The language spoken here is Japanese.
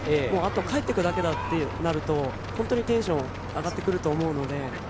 もうあと帰っていくだけだってなると本当にテンション上がってくると思うので。